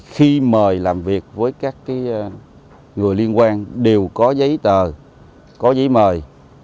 khi mời làm việc với các người liên quan đều có giấy tờ có giấy mời